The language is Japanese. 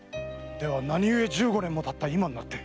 では何ゆえ十五年も経った今になって？